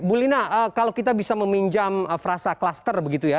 bulina kalau kita bisa meminjam frasa klaster begitu ya